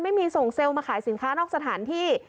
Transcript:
ไม่มีส่งเซลล์มาขายสินค้านอกสถานที่